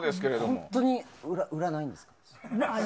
本当に裏はないんですか？